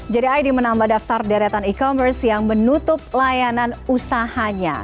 jadi id menambah daftar deretan e commerce yang menutup layanan usahanya